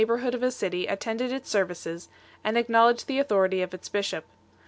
133 bourhood of a city attended its services 1 and acknow ledged the authority of its bishop.